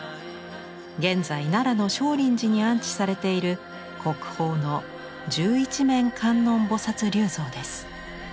現在奈良の聖林寺に安置されている国宝の十一面観音菩立像です。